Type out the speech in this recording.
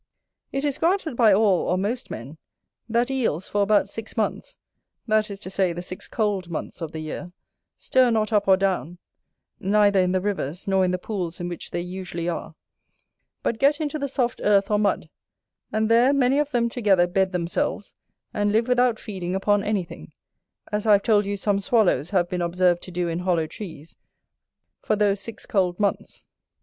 It is granted by all, or most men, that Eels, for about six months, that is to say, the six cold months of the year, stir not up or down, neither in the rivers, nor in the pools in which they usually are, but get into the soft earth or mud; and there many of them together bed themselves, and live without feeding upon anything, as I have told you some swallows have been observed to do in hollow trees, for those six cold months.